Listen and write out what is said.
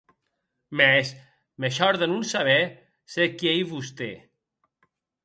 Mès me shòrde non saber se qui ei vosté.